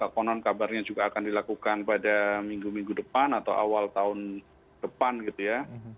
konon kabarnya juga akan dilakukan pada minggu minggu depan atau awal tahun depan gitu ya